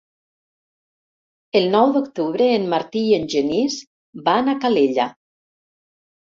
El nou d'octubre en Martí i en Genís van a Calella.